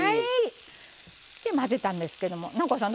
混ぜたんですけど南光さん